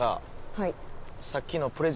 はい。